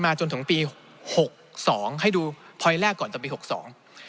จนถึงปีหกสองให้ดูพอยต์แรกก่อนตอนปีหกสอง